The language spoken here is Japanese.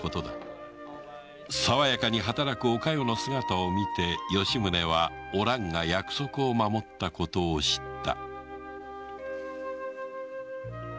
さわやかに働くおかよの姿を見て吉宗はお蘭が約束を守ったことを知った